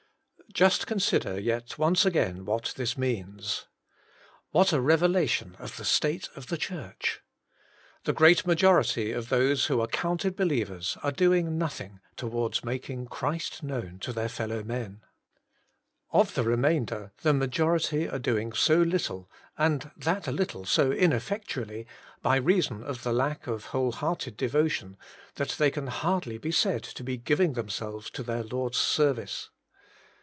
Just consider yet once again what this means. What a revelation of the state of the Church. The great majority of those who are counted believers are doing nothing towards making Christ known to their fel low men. Of the remainder, the majority are doing so little, and that little so ineffec tually, by reason of the lack of whole hearted devotion, that they can hardly be said to be giving themselves to their Lord's service.